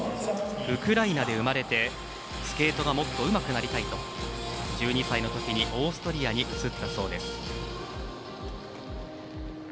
ウクライナで生まれてスケートがもっとうまくなりたいと１２歳のときにオーストリアに移ったそうです。